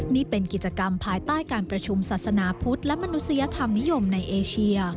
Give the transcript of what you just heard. นี่เป็นกิจกรรมภายใต้การประชุมศาสนาพุทธและมนุษยธรรมนิยมในเอเชีย